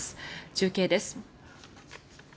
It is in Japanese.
中継です。